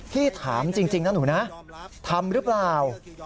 พี่ถามจริงนะหนูนะทำหรือเปล่า